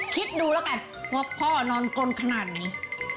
คิดดูแล้วกันว่าพ่อนอนกลขนาดนี้